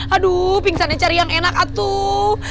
aduh pingsannya cari yang enak atuh